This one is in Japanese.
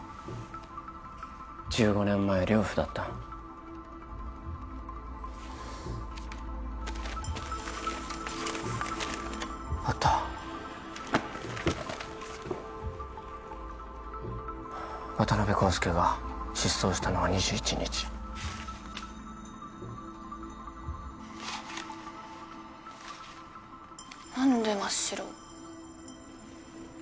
１５年前寮夫だったあった渡辺康介が失踪したのは２１日何で真っ白？